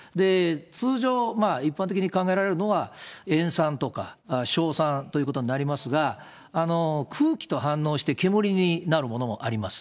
通常、一般的に考えられるのは、塩酸とか硝酸ということになりますが、空気と反応して煙になるものもあります。